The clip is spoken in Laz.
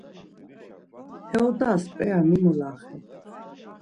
He odas p̌eya mi molaxen?